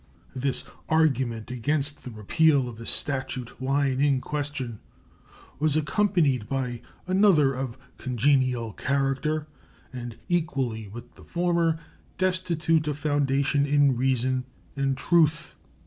This argument against the repeal of the statute line in question was accompanied by another of congenial character and equally with the former destitute of foundation in reason and truth.